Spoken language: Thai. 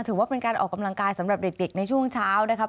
ถือว่าเป็นการออกกำลังกายสำหรับเด็กในช่วงเช้านะครับ